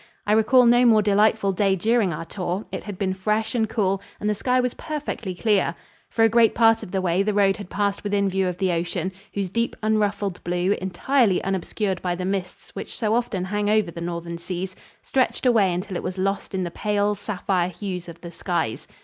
I recall no more delightful day during our tour. It had been fresh and cool, and the sky was perfectly clear. For a great part of the way the road had passed within view of the ocean, whose deep unruffled blue, entirely unobscured by the mists which so often hang over the northern seas, stretched away until it was lost in the pale, sapphire hues of the skies.